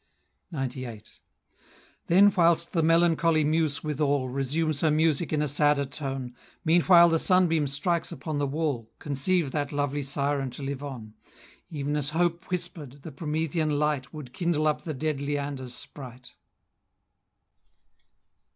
XCVIII. Then whilst the melancholy Muse withal Resumes her music in a sadder tone, Meanwhile the sunbeam strikes upon the wall, Conceive that lovely siren to live on, Ev'n as Hope whisper'd, the Promethean light Would kindle up the dead Leander's spright.